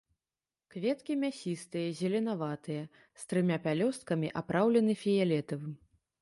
Кветкі мясістыя, зеленаватыя, з трыма пялёсткамі, апраўлены фіялетавым.